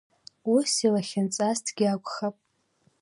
Ус иалахьынҵазҭгьы акәхап…